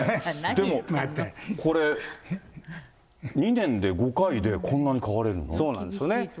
これ、２年で５回でこんなにそうなんですよね。